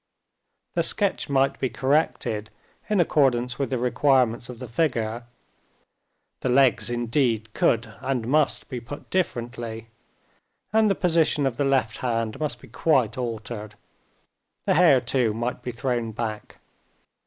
The sketch might be corrected in accordance with the requirements of the figure, the legs, indeed, could and must be put differently, and the position of the left hand must be quite altered; the hair too might be thrown back.